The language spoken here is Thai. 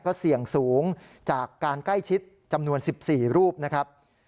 ก็เสี่ยงสูงจากการใกล้ชิดจำนวน๑๔รูปนะครับ